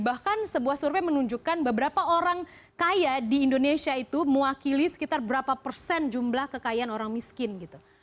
bahkan sebuah survei menunjukkan beberapa orang kaya di indonesia itu mewakili sekitar berapa persen jumlah kekayaan orang miskin gitu